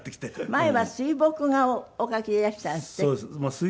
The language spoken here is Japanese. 前は水墨画をお描きでいらしたんですって？